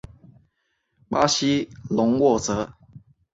巴西隆沃泽。